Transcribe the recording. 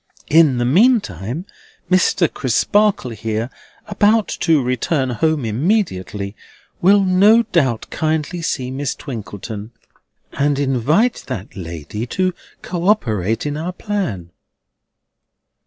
In the meantime, Mr. Crisparkle here, about to return home immediately, will no doubt kindly see Miss Twinkleton, and invite that lady to co operate in our plan."